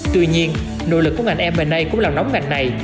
tuy nhiên nỗ lực của ngành m a cũng làm nóng ngành này